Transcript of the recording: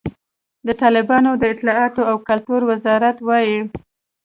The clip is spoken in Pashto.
د طالبانو د اطلاعاتو او کلتور وزارت وایي،